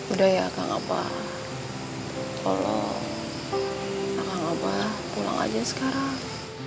udah ya kak mbak tolong kak mbak pulang aja sekarang